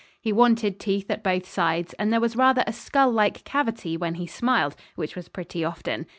He wanted teeth at both sides, and there was rather a skull like cavity when he smiled which was pretty often.